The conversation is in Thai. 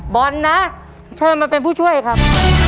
บอลนะเชิญมาเป็นผู้ช่วยครับ